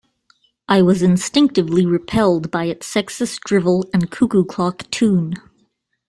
I was instinctively repelled by its sexist drivel and cuckoo-clock tune.